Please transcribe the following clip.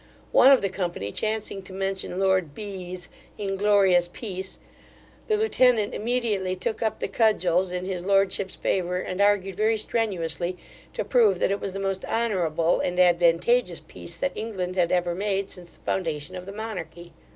One of the company chancing to mention lord B 's inglorious peace, the lieutenant immediately took up the cudgels in his lordship's favour, and argued very strenuously to prove that it was the most honourable and advantageous peace that England had ever made since the foundation of the monarchy.